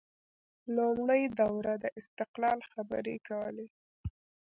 لومړۍ دوره د استقلال خبرې کولې